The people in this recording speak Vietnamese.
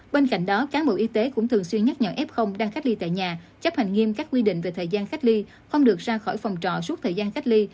bên cạnh đó cán bộ y tế cũng thường xuyên nhắc nhở f đang cách ly tại nhà chấp hành nghiêm các quy định về thời gian cách ly không được ra khỏi phòng trọ suốt thời gian cách ly